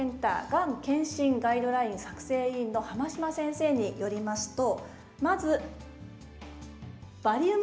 がん検診ガイドライン作成委員の濱島先生によりますと。